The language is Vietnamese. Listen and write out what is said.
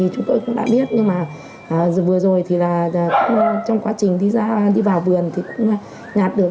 chúng tôi cũng đã biết nhưng mà vừa rồi thì là trong quá trình đi ra đi vào vườn thì cũng nhạt được